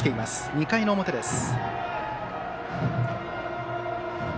２回の表です。